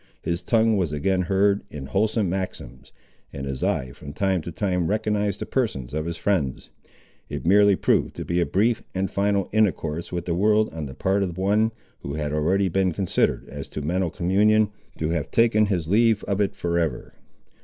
His tongue was again heard in wholesome maxims, and his eye from time to time recognised the persons of his friends. It merely proved to be a brief and final intercourse with the world on the part of one, who had already been considered, as to mental communion, to have taken his leave of it for ever.